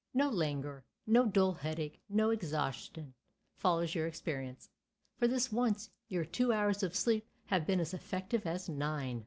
No languor, no dull headache, no exhaustion, follows your experience. For this once your two hours of sleep have been as effective as nine.